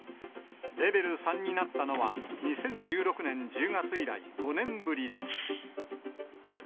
レベル３になったのは、２０１６年１０月以来、５年ぶりです。